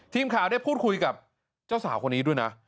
ทีมข่าวได้พูดคุยกับเจ้าสาวคนนี้ด้วยนะ